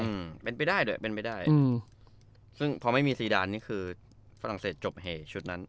อืมเป็นไปได้ด้วยเป็นไปได้อืมซึ่งพอไม่มีซีดานนี่คือฝรั่งเศสจบเหชุดนั้น